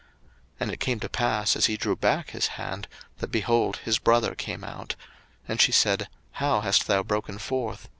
01:038:029 And it came to pass, as he drew back his hand, that, behold, his brother came out: and she said, How hast thou broken forth?